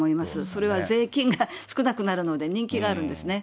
それは税金が少なくなるので、人気があるんですね。